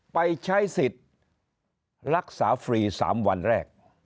ไปใช้สิทธิ์รักษาฟรี๓วันแรก